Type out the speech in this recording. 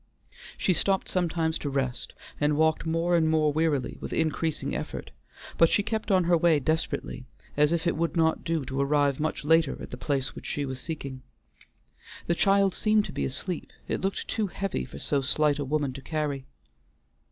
She stopped sometimes to rest, and walked more and more wearily, with increasing effort; but she kept on her way desperately, as if it would not do to arrive much later at the place which she was seeking. The child seemed to be asleep; it looked too heavy for so slight a woman to carry.